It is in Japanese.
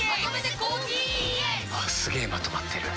すげえまとまってる。